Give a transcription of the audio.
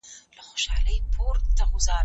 چي هر ځای وینم کارګه له رنګه تور وي